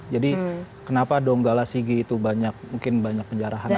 jadi kenapa donggala sigi itu banyak mungkin banyak penjarahan atau apa